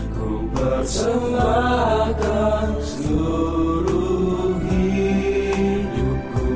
ku bersembahkan seluruh hidupku